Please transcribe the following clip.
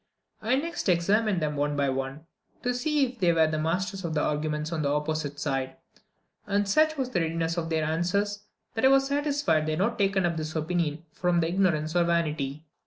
I next examined them one by one, to see if they were masters of the arguments on the opposite side; and such was the readiness of their answers, that I was satisfied they had not taken up this opinion from ignorance or vanity.